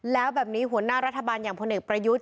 แล้วแบบนี้หัวหน้ารัฐบาลอย่างพลเอกประยุทธ์